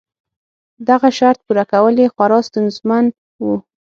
دغه شرط پوره کول یې خورا ستونزمن و.